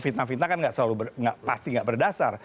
fitnah fitnah kan enggak selalu berdasar